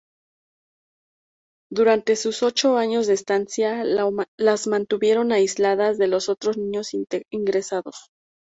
Durante sus ocho años de estancia, las mantuvieron aisladas de los otros niños ingresados.